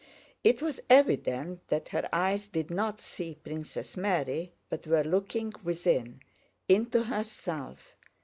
It was evident that her eyes did not see Princess Mary but were looking within... into herself...